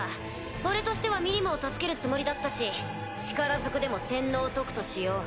俺としてはミリムを助けるつもりだったし力ずくでも洗脳を解くとしよう。